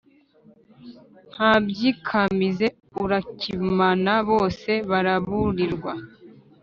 Nta byikamize urakimana bose baraburirwa